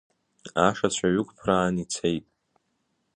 Ашацәа ҩықәԥраан ицеит.